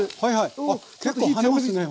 あっ結構跳ねますね